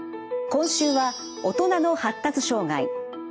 今週は「大人の発達障害」。